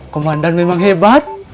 komandan memang hebat